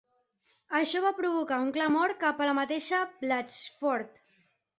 Això va provocar un clamor cap a la mateixa Blatchfort.